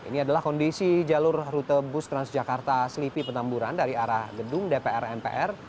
ini adalah kondisi jalur rute bus transjakarta selipi petamburan dari arah gedung dpr mpr